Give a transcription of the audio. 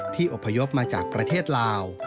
อบพยพมาจากประเทศลาว